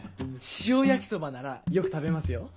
塩焼きそばならよく食べますよ。